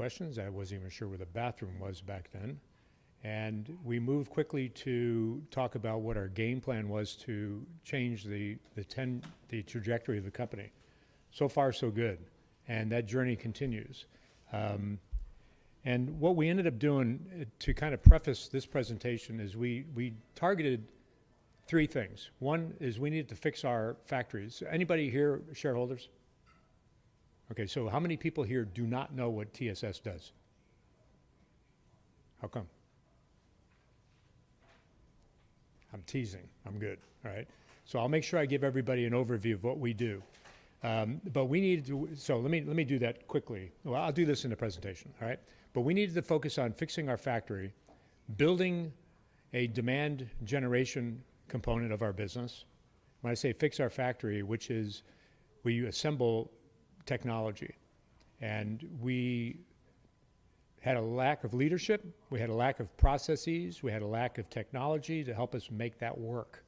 Any questions? I wasn't even sure where the bathroom was back then, and we moved quickly to talk about what our game plan was to change the trajectory of the company, so far, so good, and that journey continues, and what we ended up doing, to kind of preface this presentation, is we targeted three things. One is we needed to fix our factories. Anybody here shareholders? Okay, so how many people here do not know what TSS does? How come? I'm teasing. I'm good. All right, so I'll make sure I give everybody an overview of what we do, but we needed to, so let me do that quickly, well, I'll do this in the presentation, all right, but we needed to focus on fixing our factory, building a demand-generation component of our business. When I say fix our factory, which is we assemble technology. And we had a lack of leadership. We had a lack of processes. We had a lack of technology to help us make that work.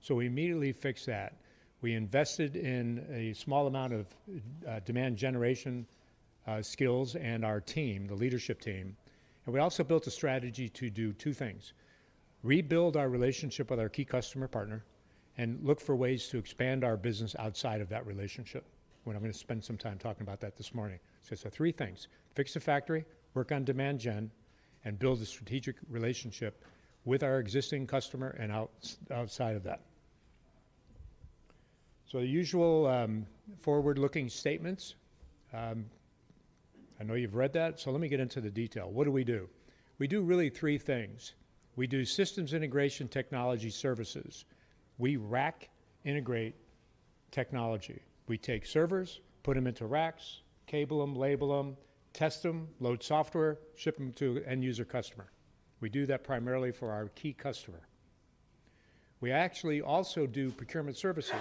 So we immediately fixed that. We invested in a small amount of demand-generation skills and our team, the leadership team. And we also built a strategy to do two things: rebuild our relationship with our key customer partner and look for ways to expand our business outside of that relationship. And I'm going to spend some time talking about that this morning. So it's three things: fix the factory, work on demand gen, and build a strategic relationship with our existing customer and outside of that. So the usual forward-looking statements. I know you've read that. So let me get into the detail. What do we do? We do really three things. We do systems integration technology services. We rack integrate technology. We take servers, put them into racks, cable them, label them, test them, load software, ship them to an end-user customer. We do that primarily for our key customer. We actually also do procurement services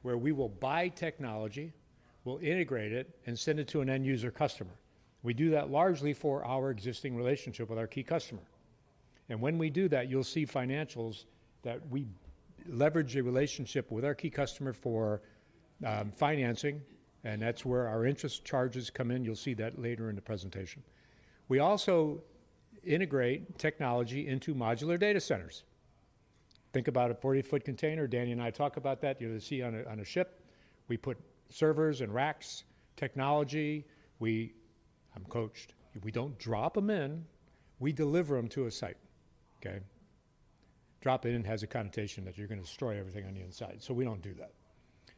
where we will buy technology, we'll integrate it, and send it to an end-user customer. We do that largely for our existing relationship with our key customer. And when we do that, you'll see financials that we leverage a relationship with our key customer for financing. And that's where our interest charges come in. You'll see that later in the presentation. We also integrate technology into modular data centers. Think about a 40-foot container. Daniel and I talk about that. You'll see on a ship. We put servers and racks, technology. I'm coached. We don't drop them in. We deliver them to a site. Okay? Dropping in has a connotation that you're going to destroy everything on the inside. So we don't do that.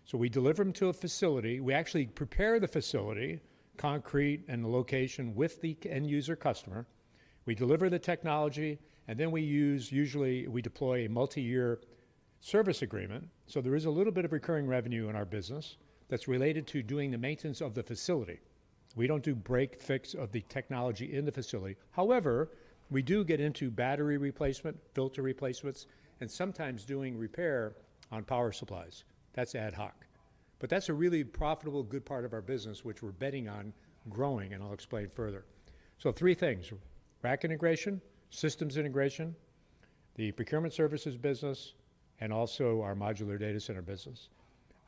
So we deliver them to a facility. We actually prepare the facility, concrete, and the location with the end-user customer. We deliver the technology. And then we usually deploy a multi-year service agreement. So there is a little bit of recurring revenue in our business that's related to doing the maintenance of the facility. We don't do break fix of the technology in the facility. However, we do get into battery replacement, filter replacements, and sometimes doing repair on power supplies. That's ad hoc. But that's a really profitable, good part of our business, which we're betting on growing, and I'll explain further. So three things: rack integration, systems integration, the procurement services business, and also our modular data center business.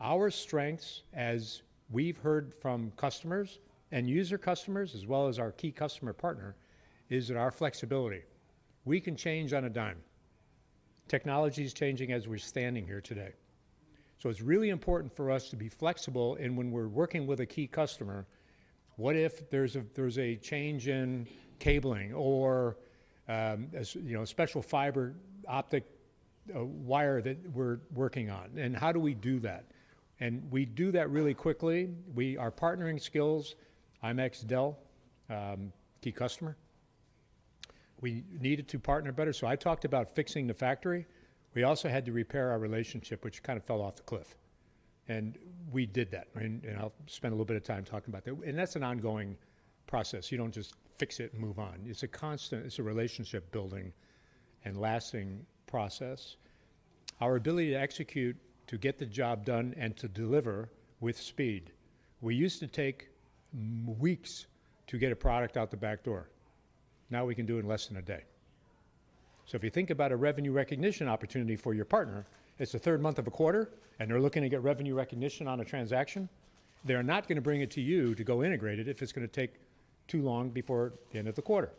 Our strengths, as we've heard from customers and user customers, as well as our key customer partner, is our flexibility. We can change on a dime. Technology is changing as we're standing here today, so it's really important for us to be flexible, and when we're working with a key customer, what if there's a change in cabling or a special fiber optic wire that we're working on, and how do we do that, and we do that really quickly. Our partnering skills, IMEX, Dell, key customer. We needed to partner better, so I talked about fixing the factory. We also had to repair our relationship, which kind of fell off the cliff, and we did that, and I'll spend a little bit of time talking about that, and that's an ongoing process. You don't just fix it and move on. It's a constant relationship-building and lasting process. Our ability to execute, to get the job done, and to deliver with speed. We used to take weeks to get a product out the back door. Now we can do it in less than a day. So if you think about a revenue recognition opportunity for your partner, it's the third month of a quarter, and they're looking to get revenue recognition on a transaction, they're not going to bring it to you to go integrate it if it's going to take too long before the end of the quarter.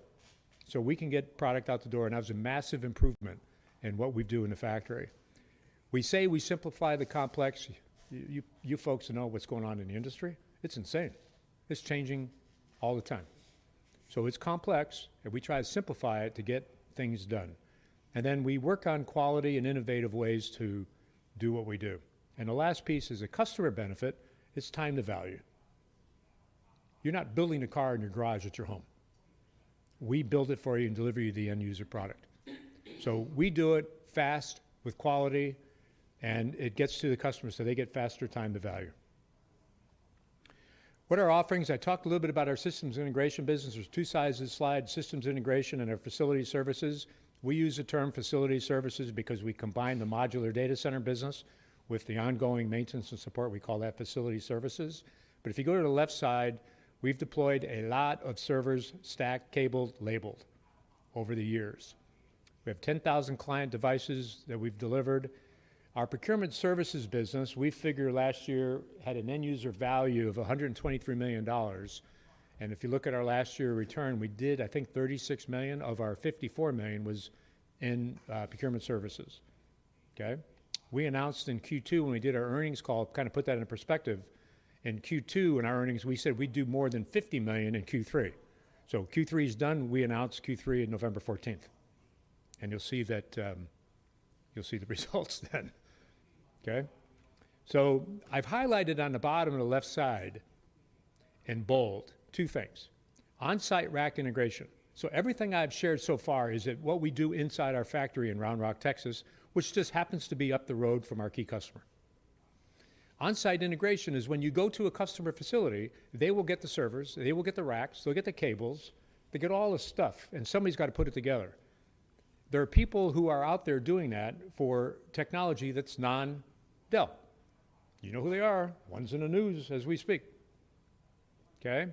So we can get product out the door. And that was a massive improvement in what we do in the factory. We say we simplify the complex. You folks know what's going on in the industry. It's insane. It's changing all the time. So it's complex, and we try to simplify it to get things done. And then we work on quality and innovative ways to do what we do. And the last piece is a customer benefit. It's time to value. You're not building a car in your garage at your home. We build it for you and deliver you the end-user product. So we do it fast with quality, and it gets to the customer so they get faster time to value. What are our offerings? I talked a little bit about our systems integration business. There's two sides of the slide: systems integration and our facility services. We use the term facility services because we combine the modular data center business with the ongoing maintenance and support. We call that facility services. But if you go to the left side, we've deployed a lot of servers, stacked, cabled, labeled over the years. We have 10,000 client devices that we've delivered. Our procurement services business, we figure last year had an end-user value of $123 million. If you look at our last year return, we did, I think, $36 million of our $54 million was in procurement services. Okay? We announced in Q2, when we did our earnings call, kind of put that into perspective. In Q2, in our earnings, we said we'd do more than $50 million in Q3. Q3 is done. We announced Q3 on November 14th. You'll see that you'll see the results then. Okay? I've highlighted on the bottom of the left side in bold two things: on-site rack integration. Everything I've shared so far is that what we do inside our factory in Round Rock, Texas, which just happens to be up the road from our key customer. On-site integration is when you go to a customer facility, they will get the servers, they will get the racks, they'll get the cables, they get all the stuff, and somebody's got to put it together. There are people who are out there doing that for technology that's non-Dell. You know who they are. One's in the news as we speak. Okay?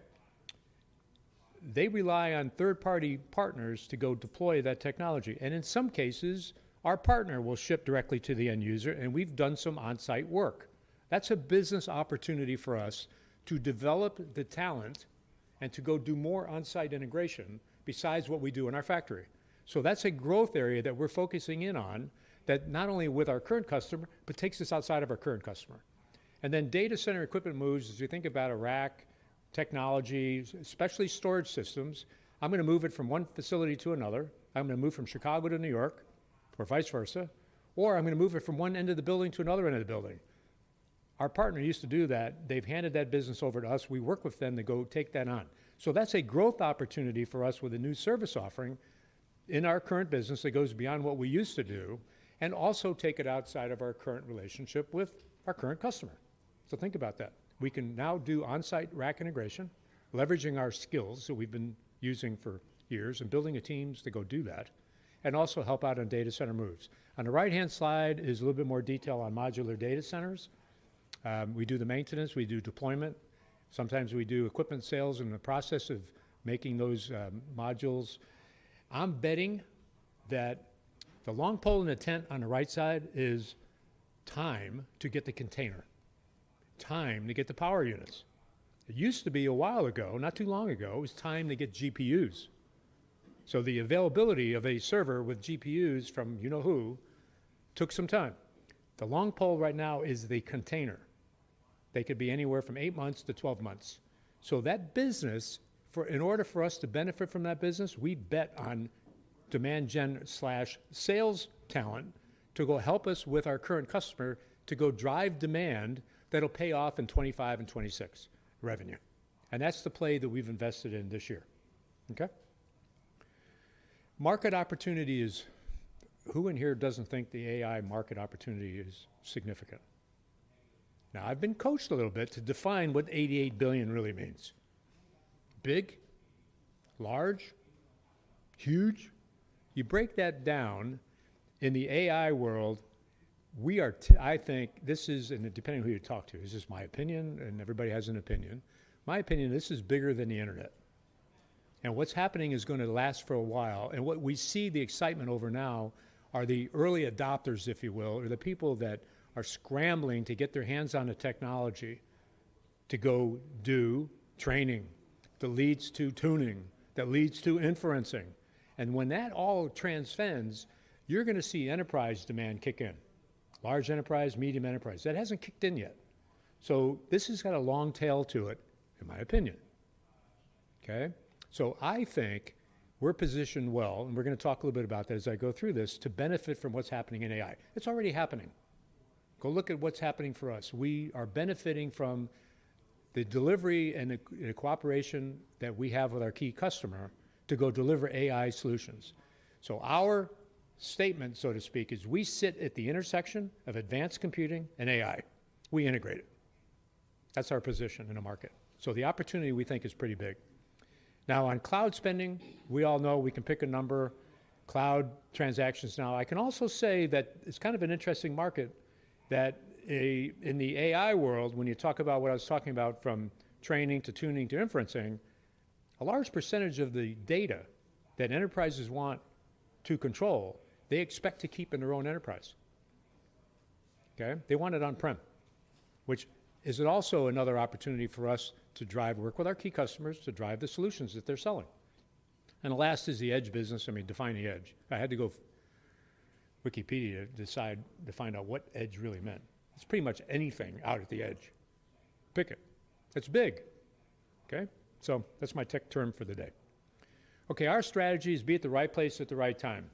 They rely on third-party partners to go deploy that technology, and in some cases, our partner will ship directly to the end-user, and we've done some on-site work. That's a business opportunity for us to develop the talent and to go do more on-site integration besides what we do in our factory, so that's a growth area that we're focusing in on that not only with our current customer, but takes us outside of our current customer. Data center equipment moves, as you think about a rack technology, especially storage systems. I'm going to move it from one facility to another. I'm going to move from Chicago to New York or vice versa. Or I'm going to move it from one end of the building to another end of the building. Our partner used to do that. They've handed that business over to us. We work with them to go take that on. So that's a growth opportunity for us with a new service offering in our current business that goes beyond what we used to do and also take it outside of our current relationship with our current customer. So think about that. We can now do on-site rack integration, leveraging our skills that we've been using for years and building the teams to go do that, and also help out on data center moves. On the right-hand side is a little bit more detail on modular data centers. We do the maintenance. We do deployment. Sometimes we do equipment sales in the process of making those modules. I'm betting that the long pole in the tent on the right side is time to get the container, time to get the power units. It used to be a while ago, not too long ago, it was time to get GPUs. So the availability of a server with GPUs from you know who took some time. The long pole right now is the container. They could be anywhere from eight months to 12 months. So that business, in order for us to benefit from that business, we bet on demand gen/sales talent to go help us with our current customer to go drive demand that'll pay off in 2025 and 2026 revenue. And that's the play that we've invested in this year. Okay? Market opportunity is who in here doesn't think the AI market opportunity is significant? Now, I've been coached a little bit to define what $88 billion really means. Big, large, huge. You break that down in the AI world, we are, I think, this is, and depending on who you talk to, this is my opinion, and everybody has an opinion. My opinion, this is bigger than the internet. And what's happening is going to last for a while. And what we see, the excitement over now, are the early adopters, if you will, or the people that are scrambling to get their hands on the technology to go do training that leads to tuning, that leads to inferencing. And when that all transcends, you're going to see enterprise demand kick in. Large enterprise, medium enterprise. That hasn't kicked in yet. So this has got a long tail to it, in my opinion. Okay? So I think we're positioned well, and we're going to talk a little bit about that as I go through this, to benefit from what's happening in AI. It's already happening. Go look at what's happening for us. We are benefiting from the delivery and the cooperation that we have with our key customer to go deliver AI solutions. So our statement, so to speak, is we sit at the intersection of advanced computing and AI. We integrate it. That's our position in the market. So the opportunity we think is pretty big. Now, on cloud spending, we all know we can pick a number. Cloud transactions now. I can also say that it's kind of an interesting market, that in the AI world, when you talk about what I was talking about from training to tuning to inferencing, a large percentage of the data that enterprises want to control, they expect to keep in their own enterprise. Okay? They want it on-prem, which is also another opportunity for us to drive work with our key customers to drive the solutions that they're selling. And the last is the edge business. I mean, define the edge. I had to go Wikipedia to find out what edge really meant. It's pretty much anything out at the edge. Pick it. It's big. Okay? So that's my tech term for the day. Okay. Our strategy is be at the right place at the right time.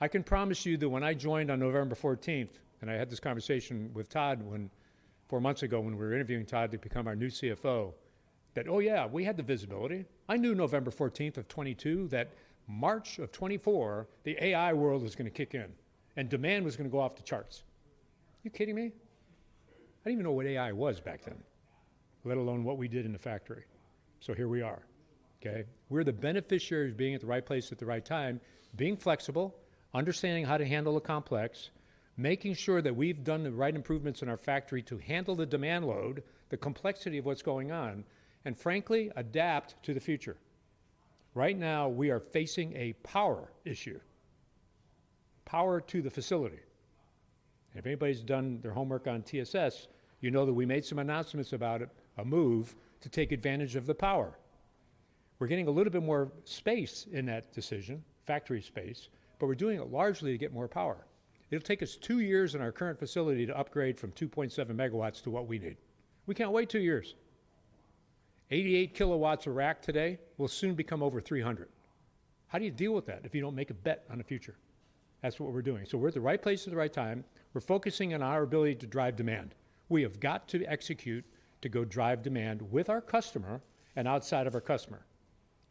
I can promise you that when I joined on November 14th, and I had this conversation with Danny four months ago when we were interviewing Danny to become our new CFO, that, "Oh yeah, we had the visibility. I knew November 14th of 2022 that March of 2024, the AI world was going to kick in and demand was going to go off the charts." You kidding me? I didn't even know what AI was back then, let alone what we did in the factory. So here we are. Okay? We're the beneficiaries being at the right place at the right time, being flexible, understanding how to handle a complex, making sure that we've done the right improvements in our factory to handle the demand load, the complexity of what's going on, and frankly, adapt to the future. Right now, we are facing a power issue. Power to the facility. If anybody's done their homework on TSS, you know that we made some announcements about it, a move to take advantage of the power. We're getting a little bit more space in that decision, factory space, but we're doing it largely to get more power. It'll take us two years in our current facility to upgrade from 2.7 MW to what we need. We can't wait two years. 88 kW of rack today will soon become over 300. How do you deal with that if you don't make a bet on the future? That's what we're doing. So we're at the right place at the right time. We're focusing on our ability to drive demand. We have got to execute to go drive demand with our customer and outside of our customer.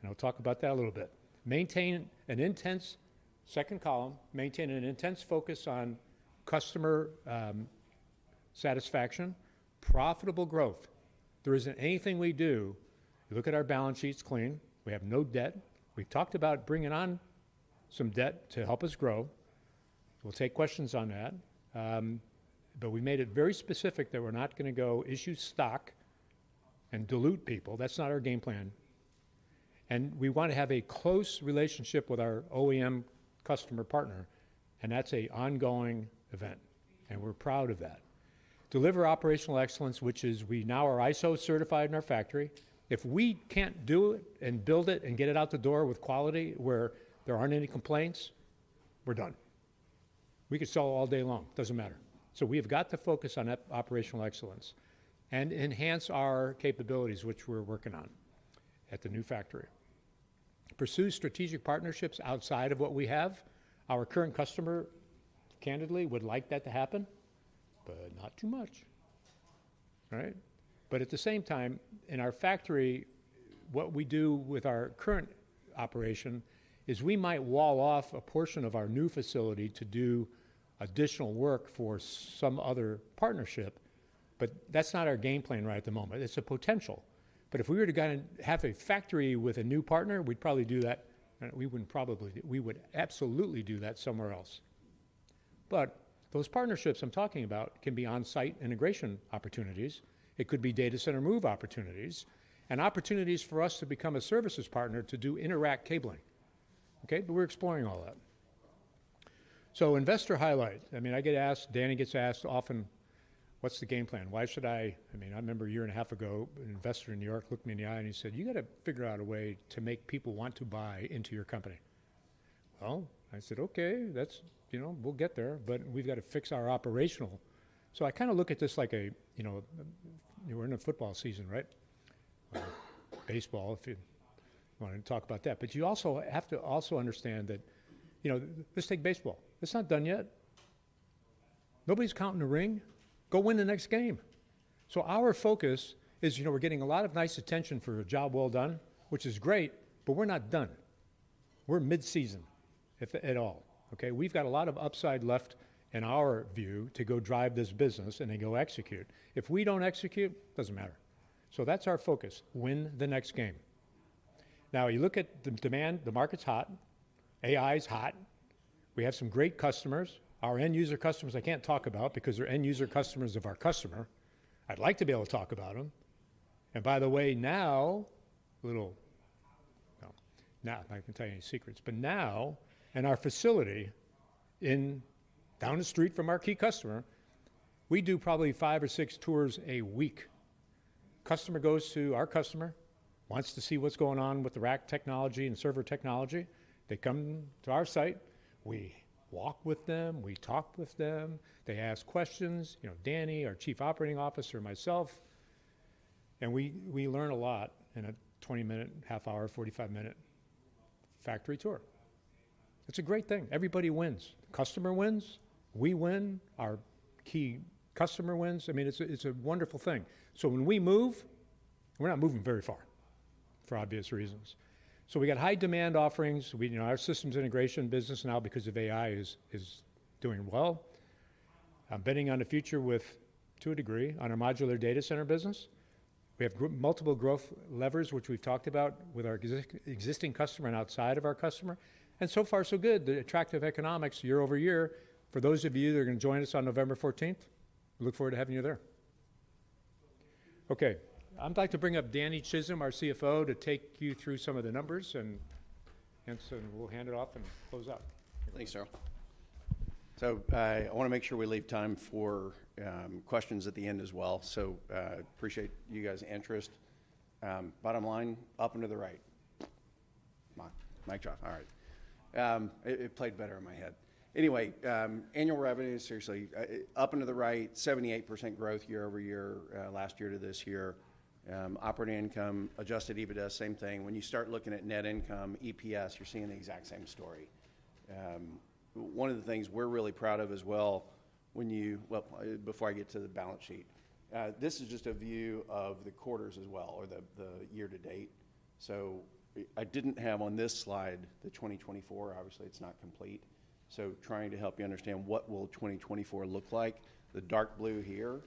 And I'll talk about that a little bit. Maintain an intense second column, maintain an intense focus on customer satisfaction, profitable growth. There isn't anything we do. You look at our balance sheets, clean. We have no debt. We've talked about bringing on some debt to help us grow. We'll take questions on that. But we made it very specific that we're not going to go issue stock and dilute people. That's not our game plan. And we want to have a close relationship with our OEM customer partner. And that's an ongoing event. We're proud of that. Deliver operational excellence, which is we now are ISO certified in our factory. If we can't do it and build it and get it out the door with quality where there aren't any complaints, we're done. We could sell all day long. It doesn't matter. We have got to focus on operational excellence and enhance our capabilities, which we're working on at the new factory. Pursue strategic partnerships outside of what we have. Our current customer, candidly, would like that to happen, but not too much. All right? At the same time, in our factory, what we do with our current operation is we might wall off a portion of our new facility to do additional work for some other partnership. That's not our game plan right at the moment. It's a potential. But if we were to have a factory with a new partner, we'd probably do that. We wouldn't probably do it. We would absolutely do that somewhere else. But those partnerships I'm talking about can be on-site integration opportunities. It could be data center move opportunities and opportunities for us to become a services partner to do intra-rack cabling. Okay? But we're exploring all that. So investor highlight. I mean, I get asked, Danny gets asked often, "What's the game plan? Why should I?" I mean, I remember a year and a half ago, an investor in New York looked me in the eye and he said, "You got to figure out a way to make people want to buy into your company." Well, I said, "Okay. We'll get there, but we've got to fix our operational." So I kind of look at this like, we're in a football season, right? Baseball, if you want to talk about that. But you also have to understand that let's take baseball. It's not done yet. Nobody's counting the ring. Go win the next game. So our focus is we're getting a lot of nice attention for a job well done, which is great, but we're not done. We're mid-season at all. Okay? We've got a lot of upside left in our view to go drive this business and then go execute. If we don't execute, it doesn't matter. So that's our focus. Win the next game. Now, you look at the demand, the market's hot. AI's hot. We have some great customers. Our end-user customers, I can't talk about because they're end-user customers of our customer. I'd like to be able to talk about them. And by the way, now, I'm not going to tell you any secrets. But now, in our facility down the street from our key customer, we do probably five or six tours a week. Customer goes to our customer, wants to see what's going on with the rack technology and server technology. They come to our site. We walk with them. We talk with them. They ask questions. Danny, our Chief Financial Officer, myself. And we learn a lot in a 20-minute, half-hour, 45-minute factory tour. It's a great thing. Everybody wins. The customer wins. We win. Our key customer wins. I mean, it's a wonderful thing. So when we move, we're not moving very far for obvious reasons. So we got high demand offerings. Our systems integration business now, because of AI, is doing well. I'm betting on the future with, to a degree, on our modular data center business. We have multiple growth levers, which we've talked about with our existing customer and outside of our customer. And so far, so good. The attractive economics year over year. For those of you that are going to join us on November 14th, we look forward to having you there. Okay. I'd like to bring up Danny Chism, our CFO, to take you through some of the numbers. We'll hand it off and close up. Thanks, sir. So I want to make sure we leave time for questions at the end as well. So appreciate you guys' interest. Bottom line, up and to the right. Mic drop. All right. It played better in my head. Anyway, annual revenue, seriously, up and to the right, 78% growth year over year, last year to this year. Operating income, Adjusted EBITDA, same thing. When you start looking at net income, EPS, you're seeing the exact same story. One of the things we're really proud of as well. Well, before I get to the balance sheet, this is just a view of the quarters as well, or the year to date. So I didn't have on this slide the 2024. Obviously, it's not complete, so trying to help you understand what will 2024 look like. The dark blue here,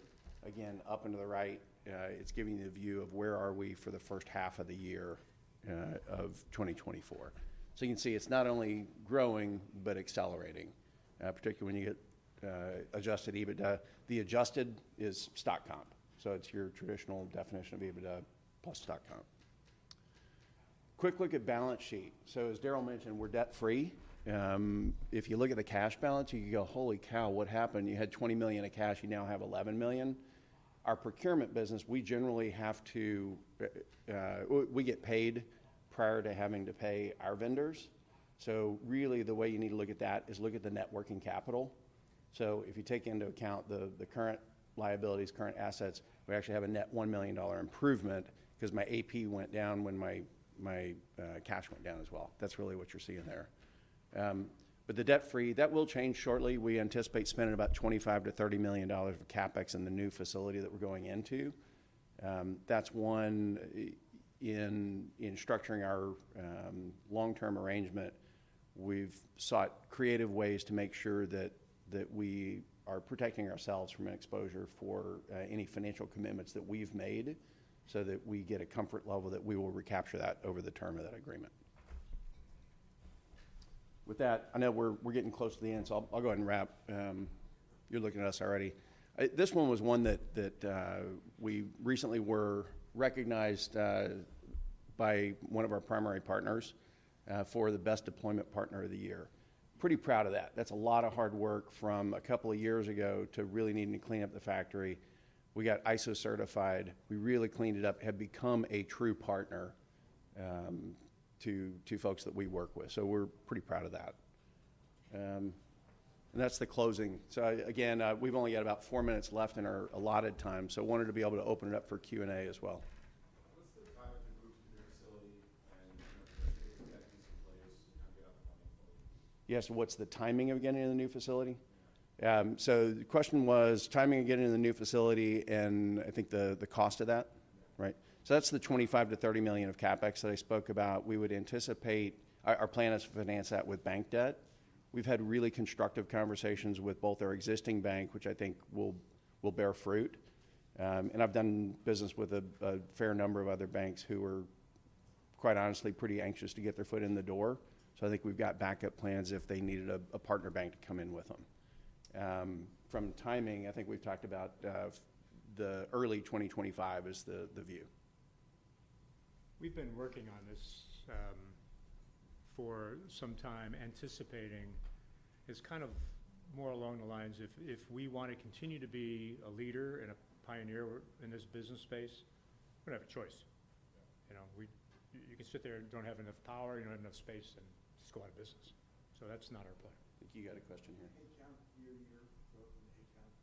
again, up and to the right. It's giving you the view of where we are for the first half of the year of 2024. So you can see it's not only growing but accelerating, particularly when you get Adjusted EBITDA. The adjusted is stock comp. So it's your traditional definition of EBITDA plus stock comp. Quick look at balance sheet. So as Darryll mentioned, we're debt-free. If you look at the cash balance, you can go, "Holy cow, what happened? You had $20 million in cash. You now have $11 million." Our procurement business, we generally have to get paid prior to having to pay our vendors. So really, the way you need to look at that is look at the net working capital. So if you take into account the current liabilities, current assets, we actually have a net $1 million improvement because my AP went down when my cash went down as well. That's really what you're seeing there. But the debt-free, that will change shortly. We anticipate spending about $25 million-$30 million for CapEx in the new facility that we're going into. That's one. In structuring our long-term arrangement, we've sought creative ways to make sure that we are protecting ourselves from exposure for any financial commitments that we've made so that we get a comfort level that we will recapture that over the term of that agreement. With that, I know we're getting close to the end, so I'll go ahead and wrap. You're looking at us already. This one was one that we recently were recognized by one of our primary partners for the best Deployment Partner of the Year. Pretty proud of that. That's a lot of hard work from a couple of years ago to really needing to clean up the factory. We got ISO certified. We really cleaned it up. Have become a true partner to folks that we work with. So we're pretty proud of that. And that's the closing. So again, we've only got about four minutes left in our allotted time. So I wanted to be able to open it up for Q&A as well. What's the time to move to the new facility and the expectations for players to kind of get out of the money? Yes. What's the timing of getting in the new facility? Yeah. So the question was timing of getting in the new facility and I think the cost of that. Right? So that's the $25 million-$30 million of CapEx that I spoke about. We would anticipate our plan is to finance that with bank debt. We've had really constructive conversations with both our existing bank, which I think will bear fruit. And I've done business with a fair number of other banks who are, quite honestly, pretty anxious to get their foot in the door. So I think we've got backup plans if they needed a partner bank to come in with them. From timing, I think we've talked about the early 2025 as the view. We've been working on this for some time, anticipating is kind of more along the lines if we want to continue to be a leader and a pioneer in this business space, we're going to have a choice. You can sit there and don't have enough power, you don't have enough space, and just go out of business, so that's not our plan. I think you got a question here. Headcount, year-to-year growth in the headcount.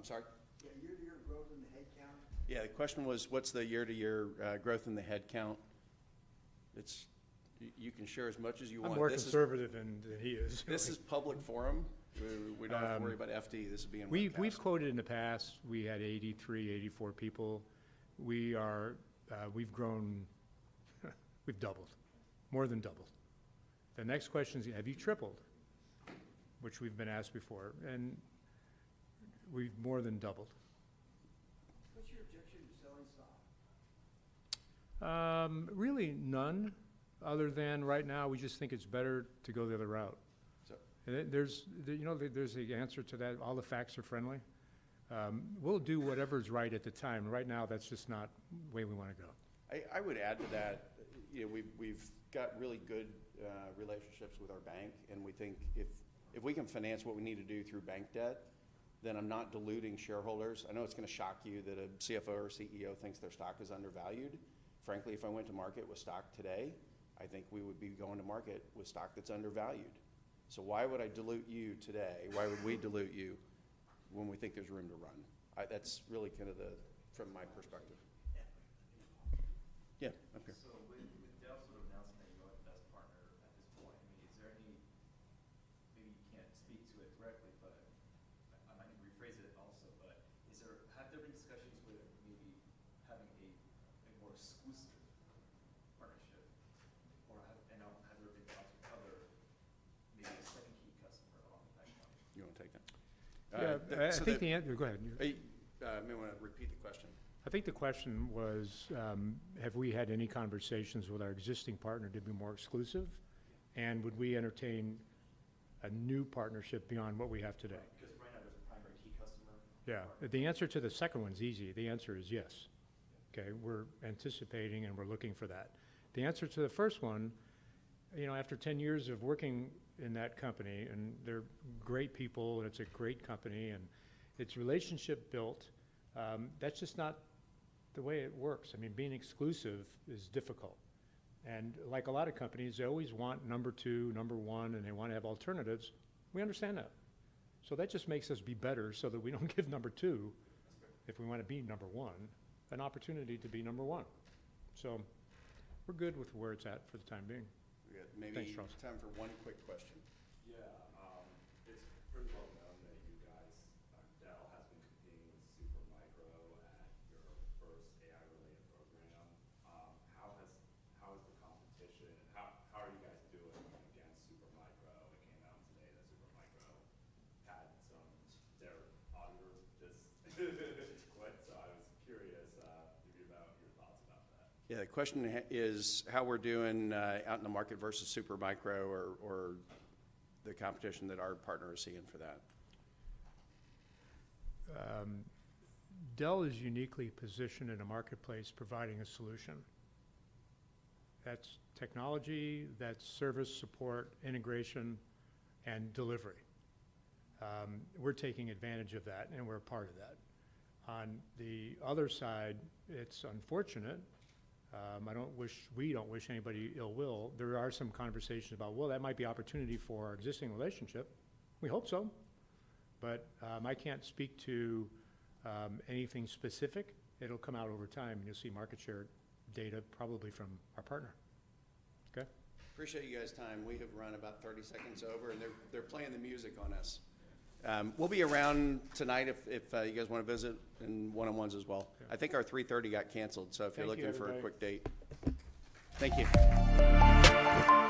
I'm sorry? Yeah. Year-to-year growth in the headcount. Yeah. The question was, what's the year-to-year growth in the headcount? You can share as much as you want. I'm more conservative than he is. This is public forum. We don't have to worry about FD. This will be on my side. We've quoted in the past. We had 83, 84 people. We've grown. We've doubled. More than doubled. The next question is, have you tripled, which we've been asked before, and we've more than doubled. What's your objection to selling stock? Really, none. Other than right now, we just think it's better to go the other route. Sir. There's the answer to that. All the facts are friendly. We'll do whatever's right at the time. Right now, that's just not the way we want to go. I would add to that. We've got really good relationships with our bank, and we think if we can finance what we need to do through bank debt, then I'm not diluting shareholders. I know it's going to shock you that a CFO or CEO thinks their stock is undervalued. I think the answer go ahead. I may want to repeat the question. I think the question was, have we had any conversations with our existing partner to be more exclusive, and would we entertain a new partnership beyond what we have today? Because right now, there's a primary key customer. Yeah. The answer to the second one's easy. The answer is yes. Okay? We're anticipating and we're looking for that. The answer to the first one, after 10 years of working in that company, and they're great people, and it's a great company, and it's relationship-built, that's just not the way it works. I mean, being exclusive is difficult, and like a lot of companies, they always want number two, number one, and they want to have alternatives. We understand that, so that just makes us be better so that we don't give number two if we want to be number one an opportunity to be number one, so we're good with where it's at for the time being. We got maybe. Thanks, Charles. Time for one quick question. Yeah. It's pretty well known that you guys, Dell has been competing with Super Micro at your first AI-related program. How has the competition? How are you guys doing against Super Micro? It came out today that Super Micro had their auditor just quit. So I was curious to hear about your thoughts about that. Yeah. The question is how we're doing out in the market versus Super Micro or the competition that our partner is seeing for that. Dell is uniquely positioned in a marketplace providing a solution. That's technology, that's service support, integration, and delivery. We're taking advantage of that, and we're a part of that. On the other side, it's unfortunate. I don't wish anybody ill will. There are some conversations about, well, that might be opportunity for our existing relationship. We hope so. But I can't speak to anything specific. It'll come out over time, and you'll see market share data probably from our partner. Okay? Appreciate you guys' time. We have run about 30 seconds over, and they're playing the music on us. We'll be around tonight if you guys want to visit in one-on-ones as well. I think our 3:30 P.M. got canceled. So if you're looking for a quick date. Thank you.